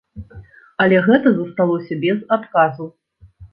Але гэта засталося без адказу.